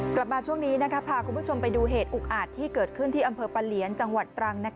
กลับมาช่วงนี้พาคุณผู้ชมไปดูเหตุอุกอาจที่เกิดขึ้นที่อำเภอปะเหลียนจังหวัดตรัง